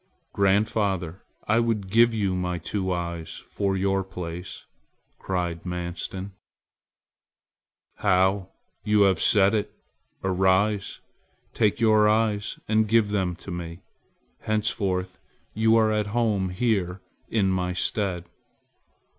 "Grandfather, I would give you my two eyes for your place!" cried Manstin. "How! you have said it. Arise. Take out your eyes and give them to me. Henceforth you are at home here in my stead."